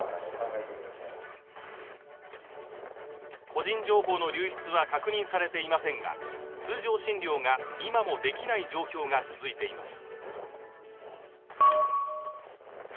個人情報の流出は確認されていませんが通常診療が今もできない状況が続いています。